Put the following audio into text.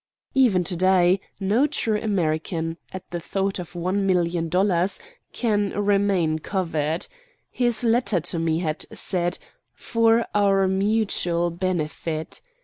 Even to day, no true American, at the thought of one million dollars, can remain covered. His letter to me had said, "for our mutual benefit."